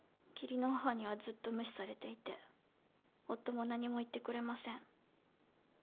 義理の母にはずっと無視されていて夫も何も言ってくれません。